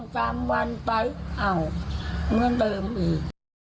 เจอ๒๓วันไปเหมือนเดิมอีก